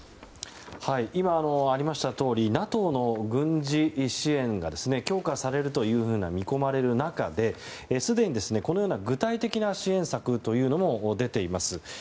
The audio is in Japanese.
今、ありましたとおりＮＡＴＯの軍事支援が強化されると見込まれる中ですでに、このように具体的な支援策も出ています。